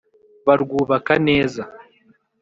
barwubaka neza